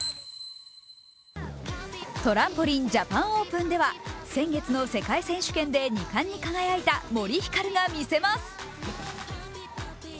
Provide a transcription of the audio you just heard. トランポリンジャパンオープンでは先月の世界選手権で２冠に輝いた森ひかるが見せます。